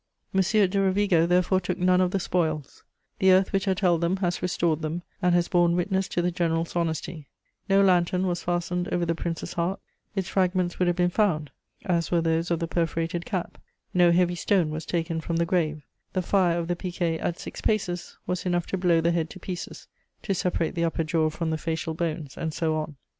M. de Rovigo therefore took none of the spoils; the earth which had held them has restored them, and has borne witness to the general's honesty; no lantern was fastened over the Prince's heart, its fragments would have been found, as were those of the perforated cap; no heavy stone was taken from the grave; the fire of the piquet at six paces was enough to blow the head to pieces, to "separate the upper jaw from the facial bones," and so on.